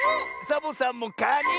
サボさんもかに！